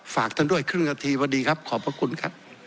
ฝากท่านด้วยครึ่งนาทีสวัสดีครับขอบพระคุณครับ